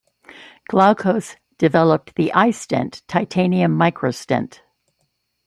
Glaukos developed the "iStent" titanium micro-stent.